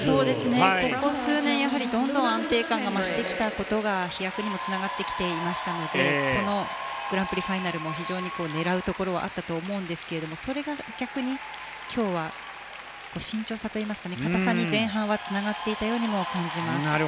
ここ数年、どんどん安定感が増してきたことが飛躍にもつながってきていましたのでこのグランプリファイナルを非常に狙うところはあったと思うんですけれどもそれが逆に、今日は慎重さといいますか堅さに前半つながっていたようにも感じます。